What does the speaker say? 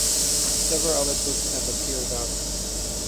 Several other books have appeared about him.